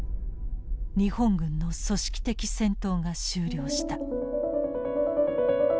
日本軍の組織的戦闘が終了した。